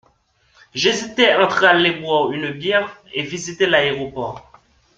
J’hésitais entre aller boire une bière et visiter l’aéroport.